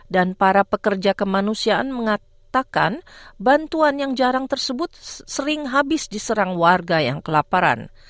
dan para pekerja kemanusiaan mengatakan bantuan yang jarang tersebut sering habis diserang warga yang kelaparan